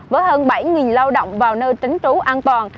với hơn bảy lao động vào nơi tránh trú an toàn